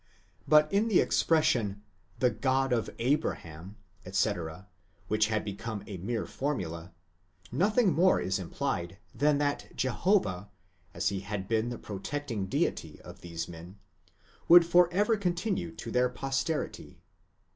But in the expression ΠΣ TON the God of Abraham, etc., which had become a mere formula, nothing more is implied than that Jehovah, as he had been the protecting Deity of these men, would for ever continue such to their posterity.